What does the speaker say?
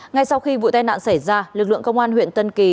ngay sau khi vụ tai nạn xảy ra lực lượng công an huyện tân kỳ